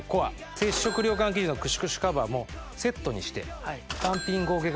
接触涼感生地のくしゅくしゅカバーもセットにして。